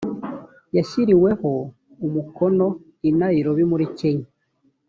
yashyiriweho umukono i nairobi muri kenya.